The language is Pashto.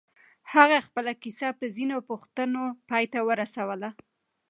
هغه خپله کيسه په ځينو پوښتنو پای ته ورسوله.